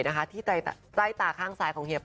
เป็นพิธีกรเสบียใบ้แดงของเราด้วย